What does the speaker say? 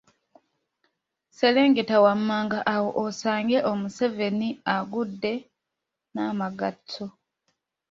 Serengeta wammanga awo osange omuseveni agudde n’amagatto